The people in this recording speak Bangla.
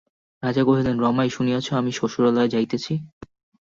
রাজা কহিলেন, রমাই, শুনিয়াছ আমি শ্বশুরালয়ে যাইতেছি?